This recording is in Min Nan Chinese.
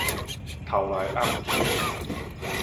偷來黯去